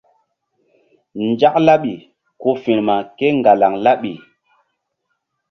Nzak laɓi ku firma kéŋgalaŋ laɓi.